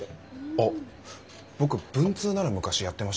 あっ僕文通なら昔やってましたよ。